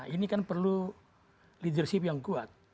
ini kan perlu leadership yang kuat